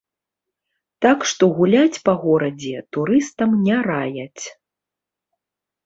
Так што гуляць па горадзе турыстам не раяць.